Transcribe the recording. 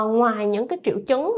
ngoài những triệu chứng